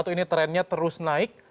ini trennya terus naik